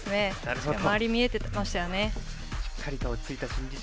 しっかり周りが見えていましたよね。